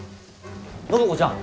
暢子ちゃん